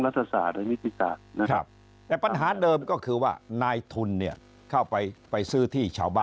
รัฐศาสตร์และมิจิฐราชปัญหาเดิมก็คือว่านายทุนเข้าไปซื้อที่ชาวบ้าน